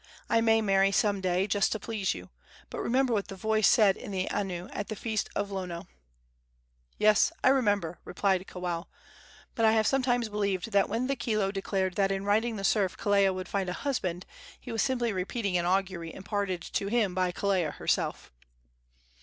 I may marry some day, just to please you; but remember what the voice said in the anu at the last feast of Lono." "Yes, I remember," replied Kawao; "but I have sometimes believed that when the kilo declared that in riding the surf Kelea would find a husband, he was simply repeating an augury imparted to him by Kelea herself."